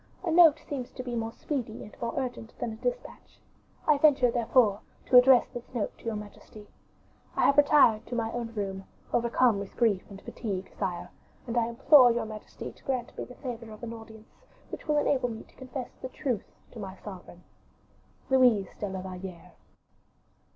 A note seems to be more speedy and more urgent than a dispatch. I venture, therefore, to address this note to your majesty. I have retired to my own room, overcome with grief and fatigue, sire; and I implore your majesty to grant me the favor of an audience, which will enable me to confess the truth to my sovereign. "LOUISE de la VALLIERE."